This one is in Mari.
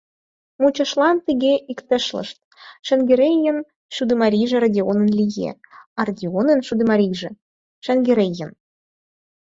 Мучашлан тыге иктешлышт: Шаҥгерейын Шӱдымарийже Родионын лие, а Родионын Шӱдымарийже — Шаҥгерейын.